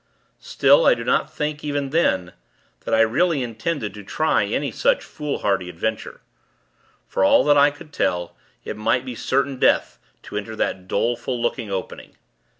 Still, I do not think, even then, that I really intended to try any such foolhardy adventure. For all that I could tell, it might be certain death, to enter that doleful looking opening.